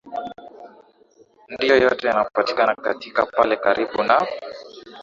ndiyo yote yanapatikana katika pale karibu na